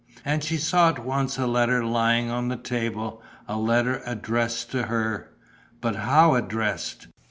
And she at once saw a letter lying on the table, a letter addressed to her. But how addressed!